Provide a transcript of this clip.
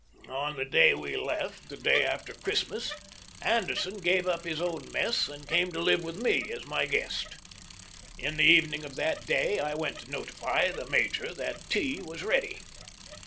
On the day we left ŌĆö the day after Christmas ŌĆö Anderson gave up his own mess, and came to live with me as my guest. In the evening of that day I went to notify the major that tea was ready.